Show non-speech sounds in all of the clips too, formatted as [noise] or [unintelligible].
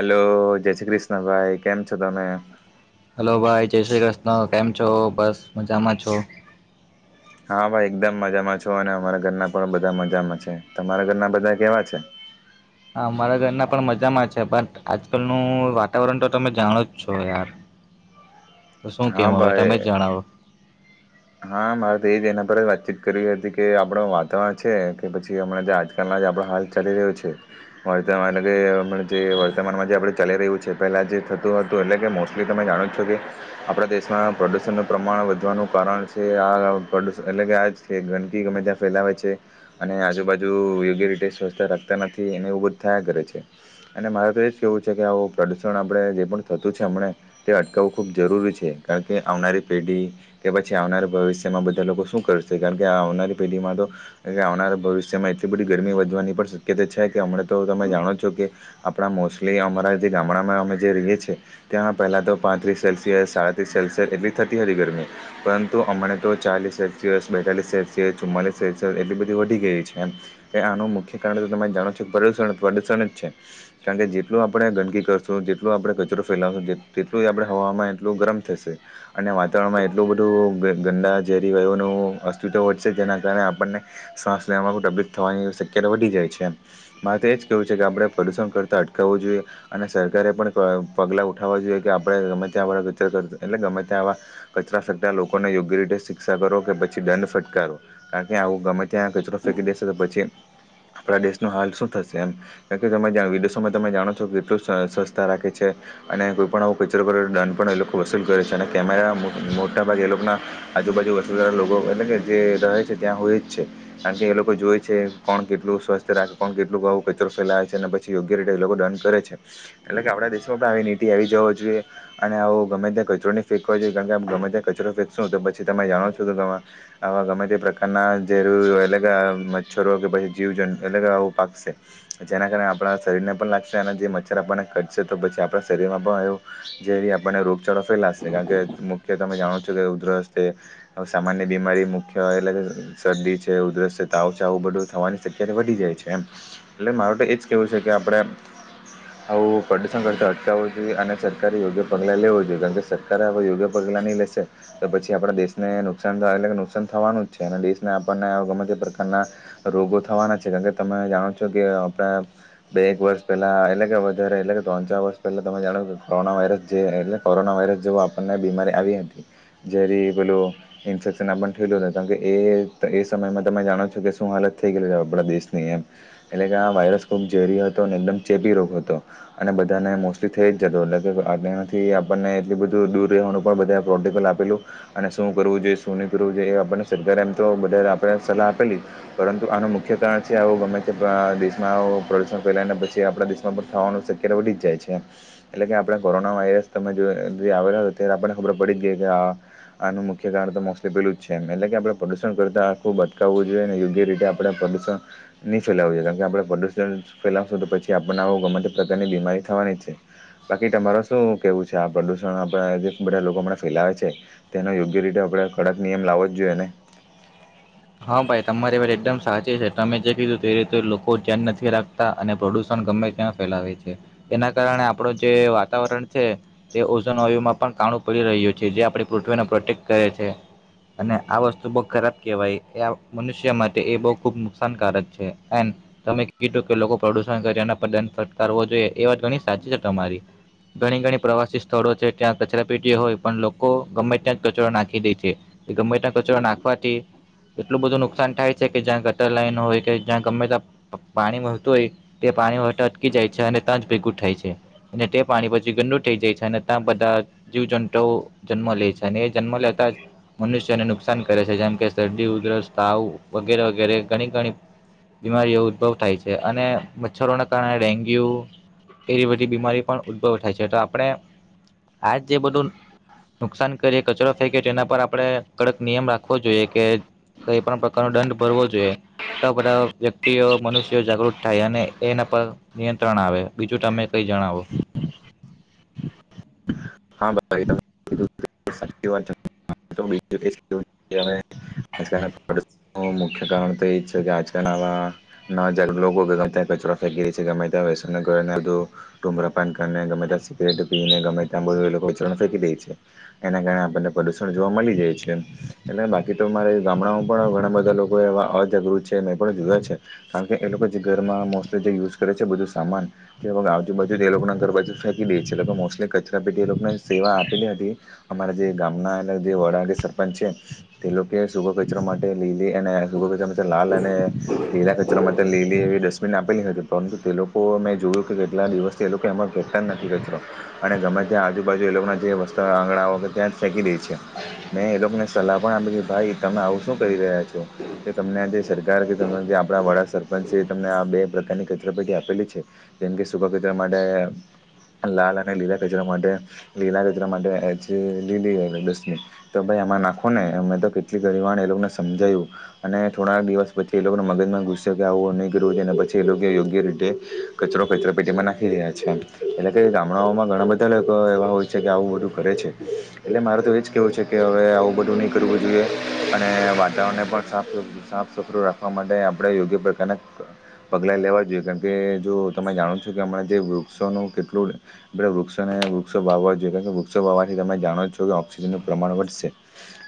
Hello, જય શ્રી કૃષ્ણ ભાઈ, કેમ છો તમે? હલો ભાઈ [unintelligible] કેમ છો, બસ મજામાં છો. હા ભાઈ એકદમ મજામાં છો અને અમારા ઘરના પણ બધા મજામાં છે. તમારા ઘરના બધા કેવા છે? હા મારા ઘરના પણ મજામાં છે, બટ આજકાલનું વાતાવરણ તો તમે જાણો જ છો યાર. તો શું કેવ હા હવે ભાઈ તમે જ જણાવો? હા મારે તો એ જ એના પર જ વાતચીત કરવી હતી, કે આપણ વાતાવરણ છે કે પછી હમણાં જે આજકાલના જે આપણ હાલ ચાલી રહ્યો છે, વત એટલે કે હમણાં જે વર્તમાનમાં જે આપણે ચાલી રહ્યું છે, પહેલા જે થતું હતું એટલે કે મોસ્ટલી તમે જાણો છો કે આપણા દેશમાં પ્રદુષણનું પ્રમાણ વધવાનું કારણ છે આ પ્રદૂણ એટલે કે આ જ ગંદકી ગમે ત્યાં ફેલાવે છે અને આજુબાજુ યોગ્ય રીતે સ્વચ્છતા રાખતા નથી અને એવું બધ થયા કરે છે, અને મારે તો એ જ કેવું છે કે આવું પ્રદૂષણ આપણે જે પણ થતું છે હમણાં, તે અટકાવવું ખૂબ જરૂરી છે, કાણકે આવનારી પીઢી કે પછી જે આવનારા ભવિષ્યમાં બધા લોકો શું કરશે કારણ કે આવનારી પેઢીમાં તો આવનારા ભવિષ્યમાં એટલી બધી ગરમી વધવાની પણ શક્યતા છે, કે હમળે તો તમે જાણો છો કે આપણા મોસ્ટલી અમારા જે ગામડામાં અમે જે રીએ છે, ત્યાં પહેલાં તો પાંત્રી સેલ્સિયસ, સાડાત્રીસ સેલ્સિયસ એટલી થતી હતી ગરમી. પરંતુ અમાણા તો ચાલીસ સેલ્સિયસ, બેતાલીસ સેલ્સિયસ, ચુમ્માળલીસ સેલ્સિયસ એટલી બધી વધી ગઈ છે એમ એ આનું મુખ્ય કારણ તો તમે જાણો છો કે પ્રદૂષણ પ્રદૂષણ જ છે, કારણ કે જેટલું આપણે ગંદકી કરશું, જેટલુ આપણે કચરો ફેલાવશું, જે તેટલું આપણે હવામાં એટલું ગરમ થશે અને વાતાવરણમાં એ એટલું બધું ગંદા ઝેરી વયુનું અસ્તિત્વ વધશે જેના કારણે આપણને શ્વાસ લેવામાં તબલીફ થવાની શક્યતા વધી જાય છે એમ, મારે તો એ જ કેહવું છે કે આપણે પ્રદૂષણ કરતાં અટકાવવું જોઈએ અને સરકારે પણ પગલાં ઉઠાવવાં જોઈએ કે આપણે ગમે તે્યાંવાચર કરતા એટલે ગમે ત્યાં આવા કચરા ફેંતા લોકોને યોગ્ય રીતે શિક્ષા કરો કે પછી દંડ ફટકારો કારણ કે આવું ગમે ત્યાં કચરો ફેંકી દેશે તો પછી આપણા દેશનું હાલ શું થશે એમ કારણ કે તમે વિદેશોમાં તમે જાણો છો કે કેટલું સસ્તા રાખે છે અને કોઈ પણ આવો કચરો કરો તો દંડ પણ એ લોકો વસૂલ કરે છે અને કેમેરા મોટાભાગે એ લોકોના આજુબાજુ વસ્સુધારા લોકો એટલે કે જે રહે છે ત્યાં હોય જ છે કારણ કે એ લોકો જોઈ છે કોણ કેટલું સ્વસ્થ રાખે કોણ કેટલું આવું કચરો ફેલાવે છે અને પછી યોગ્ય રીતે એ લોકો દંડ કરે છે એટલે કે આપણા દેશમાં પણ આવી નીતિ આવી જવા જોઈએ અને આવું ગમે ત્યાં કચરો નહીં ફેકવા જોઈએ કારણ કે ગમે ત્યાં કચરો ફેંકશું તો પછી તમે જાણો છો કે આવા ગમે તે પ્રકારનાં ઝેર અલગ મચ્છરો કે પછી જીવ જંતુ અલગ આવું પાકશે જેના કારણે આપણા શરીરને પણ લાગશે અનેના જે મચ્છર આપણને કટશે તો પછી આપણા શરીરમાં પણ એવું ઝેરી આપણને રોગચાળો ફેલાશે કારણ કે મુખ્ય તમે જાણો છો કે ઉધરસ્તે સામાન્ય બીમારી મુખ્ય એટલે કે શરદી છે ઉધરસ્તે તાવ છે આવું બધું થવાની શક્યતા વધી જાય છે એમ એટલે મારો તો એ જ કેવું છે કે આપણે આવું પ્રદુષણ કરતા અટકાવવું જોઈએ અને સરકારે યોગ્ય પગલાં લેવું જોઈએ કારણ કે સરકારે હવે યોગ્ય પગલા ની લેશે પછી આપણા દેશને નુકસાન એટલે નુકસાન થવાનું જ છે અને દેશને આપણને ગમે તે પ્રકારના રોગો થવાના છે કારણ કે તમે જાણો છો કે આપણા બે એક વર્ષ પહેલા એટલે કે વધારે એટલે કે ત્રણ ચાર વર્ષ પહેલા તમે જાણો કે કોરોના વાયરસ જે એટલે કોરોના વાયરસ જો આપણને બીમારી આવી હતી જેરી પેલું ઇન્ફેક્શન આપ થયેલું હત કારણ કે એ એ સમયમાં તમે જાણો છો કે શું હાલત થઈ ગયેલી છે આપણા દેશની એમ એટલે કે આ વાયરસ ખૂબ ઝેરી હતો અને એકદમ ચેપી રોગ હતો અને બધાને મોસ્ટલી થઈ જ જતો એટલે કે આનાથી આપણને એટલી બધું દૂર રહેવાનું પણ બધા પ્રોટોકોલ આપેલું અને શું કરવું જોઈએ શું નહીં કરવું જોઈએ એ આપણને સરકારે એમ તો બધારે આપણે સલાહ આપેલી પરંતુ આનું મુખ્ય કારણ છે આવું ગમે તે દેશમાં પ્રદૂષણ ફેલાયને પછી આપણા દેશમાં પણ થવાનું શક્યતા વધી જ જાય છેમ એટલે કે આપણે કોરોના વાયરસ તમે જો આવેલો ત્યારે આપણે ખબર પડી જ ગઈ કે આનું મુખ્ય કારણ તો મોસ્ટલી પેલું જ છે એમ એટલે કે આપણે પ્રદૂષણ કરતાં ખૂબ અટકાવવું જોઈએ અને યોગ્ય રીતે આપણે પ્રદૂષણ નહીં ફેલાવું જોઈએ કારણ કે આપણે પ્રદૂષણ ફેલાવશું તો પછી આપણને આવું ગમે તે પ્રકારની બીમારી થવાની જ છે બાકી તમારે શું કહેવું છે આ પ્રદૂષણ આપણે જે બધા લોકો હમણાં ફેલાવે છે તે એનો યોગ્ય રીતે આપણે કડક નિયમ લાવો જ જોઈએને હા ભાઈ તમારી વાત એકદમ સાચી છે તમે જે કીધું તે રીતે લોકો ધ્યાન નથી રાખતા અને પ્રદુષણ ગમે ત્યાં ફેલાવે છે એના કારણે આપણું જે વાતાવરણ છે તે ઓજન વાયુમાં પણ કાણું પડી રહ્યું છે જે આપણી પૃથ્વીને પ્રોટેક્ટ કરે છે અને આ વસ્તુ બહુ ખરાબ કહેવાય મનુષ્ય માટે એ બહુ ખુબ નુકસાનકારક છે એ તમે કીધું કે લોકો પ્રદુષણ કર પર ફટકારવો જોઈએ એ વાત ઘણી સાચી છે તમારી ઘણી ઘણી પ્રવાસી સ્થળો છે ત્યાં કચરા પીટી હોય પણ લોકો ગમે ત્યાં કચરો નાખી દે છે ગમે ત્યાં કચરો નાખવાથી એટલું બધું નુકાન થાય છે કે જ્યાં ગટર લાઈન હોય કે જ્યાં ગમે તં પાણી વહેતું હોય તે પાણી વતા અટકી જાય છે અને ત્યાં જ ભેગું થાય છે અને તે પાણી પછી ગડુ થઈ જાય છે અને ત્યાં બધા જીવ જંતુઓ જન્મ લે છે અને એ જન્મ લેતા જ મનુષ્યને નુકસાન કરે છે જેમ કે શરદી ઉદરસ તાવ વગેરે વગેરે ઘણી ઘણી બીમારીઓ ઉદભવ થાય છે અને મચ્છરોને કારણે ડેન્ગ્યુ એવી બધી બીમારી પણ ઉદભવ થાય છે તો આપણે આજ જે બધું નુકસાન કરીએ કચરો ફેકી એના પર આપણે કડક નિયમ રાખવો જોઈએ કે કઈ પણ પ્રકારનો દંડ ભરવો જોઈએ તો બધા વ્યક્તિઓ મનુષ્યો જાગૃત થાય અને એના પર નિયંત્રણ આવે બીજું તમે કઈ જણાવો [unintelligible] હા મુખ્ય કારણ તો એ છે કે આજકા આવા ગ કચરા ફે છે ગમે વસ ડુંગરાપન કરીને ગમે સિગરેટ પીને ગમે ત્યાં બધુ એ લોકો વિચરણ ફેંકી દે છે એના કારણે આપણને પ્રદુષણ જોવા મળી જાય છે એટલે બાકી તો મારે ગામડામાં પણ ઘણા બધા લોકો એવા અજાગૃત છે મે એ પણ જોુયા છે કારણ કે એ લોકો જે ઘરમાં મોસ્ટલી જે યુઝ કરે છે બધું સામાન જે આજુ બાજુ એ લોકોને ઘર બાજુ ફેંકી દે છે એ લોકો મોસ્ટલી કચરો પ એ લોકોને સેવા આપેલી હતી અમારા જે ગામના અગ જે વડા કે સરપંચ છે તે લોકો શુભ કચરા માટે લઈ ને અને શુભ કચ લાલ અને લીલા કચરો માટે લીલી એવી ડસ્ટબિન આપી પેલી હતી પરંતુ તે લોકો મેં જોયું કે કેટલા દિવસથી એ લોકો અમાં પેટન નથી ખચરો અને ગમે તે ત્યાં આજુબાજુ એ લોકોના જે વસ્તાઓ આંગણાઓ કે ત્યાં જ ફેકી દે છે મેં એ લોકો ને સલાહ પણ આપી ભાઈ તમે આવું શું કહી રહ્યા છો કે તમને આ જે સરકાર કે ત જે આપણા વડા સરપંચ છે તમને આ બે પ્રકારની કચરાપેટી આપેલી છે જેમ કે સુકા કચરા માટે લાલ અને લીલા કચરા કચરા માટે લીલા કચરા માટે લીલી દસમી તો ભાઈ આમાં નાખો ને મેં તો કેટલી ગવાણ એ લોકોને સમજાયું અને થોડા દિવસ પછી એ લોકોને મગજમાં ગુસ્યો કે આવું નહીં કરવુંને પછી એ લોકો યોગ્ય રીતે કચરો કચરા પેટીમાં નાખી રહ્યા છે એટલે કે ગામડાઓમાં ઘણા બધા બધા લોકો એવા હોય છે કે આવું બધું કરે છે એટલે મારેું તો એ જ કહેવું છે કે હવે આવું બધું નહીં કરવું જોઈએ અને વાતાવરણને પણ સાફ સાફ સફરું રાખવા માટે આપણે યોગ્ય પ્રકારના પગલાં લેવા જોઈએ કારણ કે જો તમે જાણો છો કે હમણાં જે વૃક્ષોનું કેટલું વૃક્ષ વૃક્ષ અને વૃક્ષો વાવવા જોએ કે વૃક્ષો વાવાથી તમે જાણો જ છો કે ઓક્સિજનનું પ્રમાણ વધશે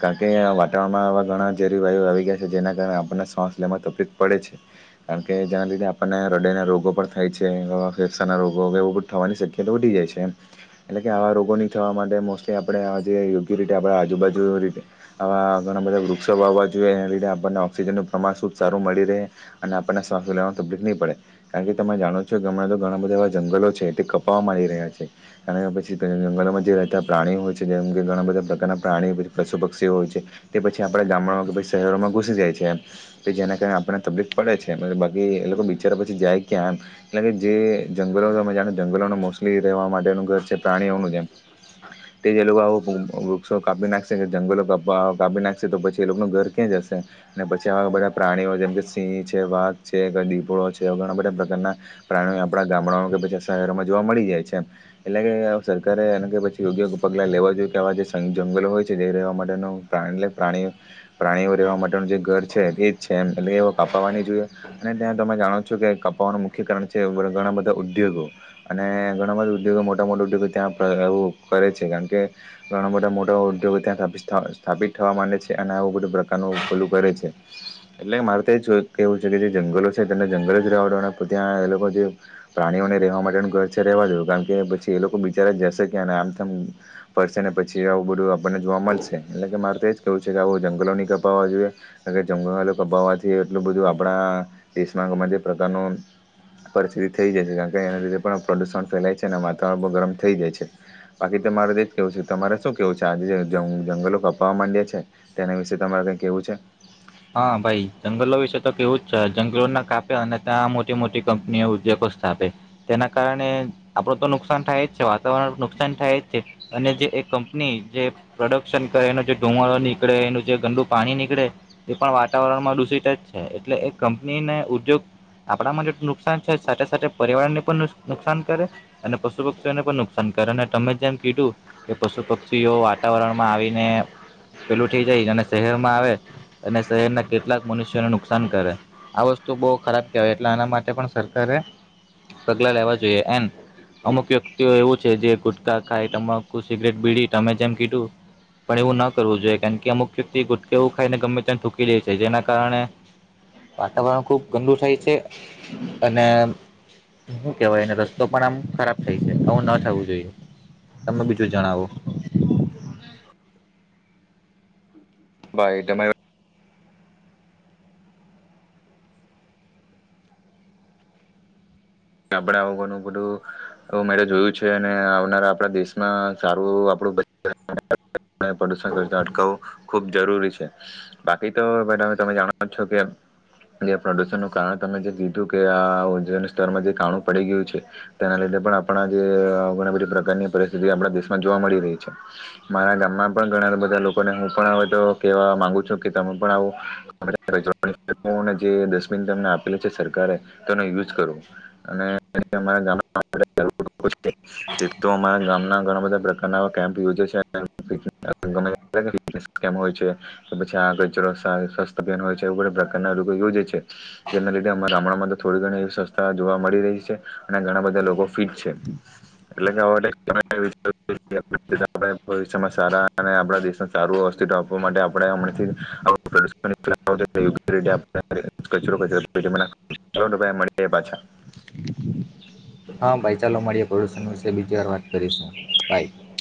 કારણ કે વાતાવરણમાં આવા ઘણા ઝેરી વાયુ આવી ગયા છે જેના કારણે આપણને શ્વાસ લેવામાં તકલીફ પડે છે કારણ કે જેના લીધે આપણને હૃદયના રોગો પણ થાય છે ફેફસાના રોગો એવ બધ થવાની શક્યતા વધી જાય છે એમ એટલે કે આવા રોગોની થવા માટે મોસ્ટલી આપણે આ જે યોગ્ય રીતે આપણે આજુબાજુ રીતે આવા ઘણા બધા વૃક્ષો વાવવા જોઈએ એના લીધે આપણને ઓક્સિજનનું પ્રમાણ ખૂબ સારું મળી રહે અને આપણને શ્વાસ્થ્ય લેવવાવામાં તકલીફ નહીં પડે કારણ કે તમે જાણો છો કે ગણાં તો ઘણા બધા એવા જંગલો છે તે કપાવવા આવી રહ્યા છે અને પછી જંગલોમાં જે રહેતા પ્રાણીઓ હોય છે જેમ કે ઘણા બધા પ્રકારના પ્રાણીઓ પશુ પક્ષીઓ હોય છે તે પછી આપણા ગામડામાં કે પછી શહેરોમાં ઘુસી જાય છે એમ કે જેના કારણે આપણને તકલીફ પડે છે બાકી એ લોકો બિચારા પછી જાય ક્યાં એમ એટલે કે જે જંગલોણે જંગલોને મોસ્ટલી રહેવા માટે પ્રાણીઓનું જે તે લોકો આવ વૃક્ષો કાપી નાખશે કે જંગલો કાપી નાખશે તો પછી એ લોકોનું ઘર ક્યાં જશે અને પછી આવા બધા પ્રાણીઓ જેમ કે સિંહ છે વાઘ છે દીપડો છે ઘણા બધા પ્રકારના પ્રાણીઓ આપડા ગામડામાં કે પછ શહેરોમાં જોવા મળી જાય છે એટલે કે સરકારે એને કે પછી યોગ્ય પગલાં લેવા જોઈએ કે આવા જે જંગલો હોય છે જ રહેવા માટેનું પ્રાણી એટ પ્રાણીઓ પ્રાણીઓ રહેવા માટે જે ઘર છે એજ છે એમ એટ એ કાપાવાની જોઈએ અને ત્યાં તમે જાણો છો કે કપાવાનું મુખ્ય કારણ છે ઘણા બધા ઉદ્યોગો અને ઘણા બધા ઉદ્યોગો મોટા મો મોટા ઉદ્યોગ ત્યાં એવું કરે છે કારણ કે ઘણા મોટા મોટા ઉદ્યોગો ત્યાં સ્ સ્થાપિત થવા માંટે છે અને આવું બધું પ્રકારનું પેલું કરે છે એટલે મારે તો કેહેવું છે કે જે જંગલો છે તેને જંગલ જ રહેવાડો ત્યાં એ લોકો જે પ્રાણીઓને રહેવા માટે છે રવા દવ કારણ કે પછી કે એ લોકો બિચાર જશે કે અને આમ થમ ફરશે ને પછી એ આવું બધું આપણને જોવા મળશે એટલે કે મારે તો એ જ કહેવું છે કે આવો જંગલો નહીં કપાવવા જોઈએ કારણ કે જંગલોલો કપાવવાથી એટલું બધું આપણા દેશમાં ગમે તે પ્રકારનું પરિસ્થિતિ થઈ જાય છે કારણ કે એના લીધે પણ પ્રદૂષણ ફલાય છે એના કારબો ગરમ થઈ જાય છે બાકી તમા મારે તો જ કેવું છે તમારે શું કેવું છે આજે જે જંગલો કપાવવા માંડ્યા છે તેના વિશે તમારે કઈ કેવું છે હા ભાઈ જંગલો વિશે તો કેવું જ છે જંગલોના કાપે અને ત્યાં મોટી મોટી કંપનીઓ ઉદ્યોગો સ્થાપે તેના કારણે આપડું તો નુકસાન થાય જ છે વાતાવરણ નુકસાન થાય જ છે અને જે એ કંપની જે પ્રોડક્શન કરે એનો જે ધુમળો નીકળે એનું જે ગંદુ પાણી નીકળે એ પણ વાતાવરણમાં દૂષિત જ છે એટલે એ કંપનીને ઉદ્યોગ આપણામાં જે નુકસાન છે સાથે સાથે પર્યાવરણને પણ નુકસાન કરે અને પશુ પક્ષીઓને પણ નુકસાન કરે અને તમે જેમ કીધું કે પશુ પક્ષીઓ વાતાવરણમાં આવીને પેલું થઈ જાય અને શહેરમાં આવે અને શહેરના કેટલાક મનુષ્યોને નુકસાન કરે આ વસ્તુ બહુ ખરાબ કહેવાય એટલે આના માટે પણ સરકારે પગલા લેવા જોઈએ એડ અમુક વ્યક્તિઓ એવું છે જે ગુટકા ખાય તમાકુ સિગરેટ બીડી તમે જેમ કીધું પણ એવું ન કરવું જોઈએ કારણ કે અમુક વ્યક્તિ ગુટકા એવું ખાઈને ગમે થૂકી જે છે જેના કારણે વાતાવરણ ખુબ ગંદુ થાય છે અને શું કેહેવાયને રસ્તો પણ આમ ખરાબ થાય છે આવું ન થવું જોઈએ તમે બીજું જણાવો ભાઈ તમારે આપણે આવું ઘણું બધું મે જોયું છે અને આવનારા આપણા દેશમાં સારું આપણું [unintelligible] પ્રદુષણનું કારણે તમે જે કીધું કે આ ઉજન સ્તરમાં જે કાણું પડી ગયું છે તેના લીધે પણ આપણા જેણી બધી પ્રકારની પરિસ્થિતિ આપણા દેશમાં જોવા મળી રહી છે મારા ગામમાં પણ ઘણા બધા લોકોને હું પણ હ તો કેવા માંગુ છું કે તમે પણ આવું જે ડબન તને આપેલ છે સરકારે તેનો યુઝ કરવો અને તો અમારા ગામના ઘણા બધા પ્રકારના કેમ્પ યોજે છે હોય છે પછી આ ક હોય એ બા પ્રકારના યોજે છે જેના લીધે અરા [unintelligible] ગામડામાં તો થોડી ઘણી એવી સ્વસ્તા જોવા મળી રહી છે અને ઘણા બધા લોકો ફિટ છે એટલે ભવિષમાં સારા આપ દેશ સારું અવસ્થિત્વ આપવા માટેછ [unintelligible] [inaudible] હા, ભાઈ ચાલો મળીએ પ્રડુષણ વિશે બીજી, વાર વાત કરીશુ, બાય.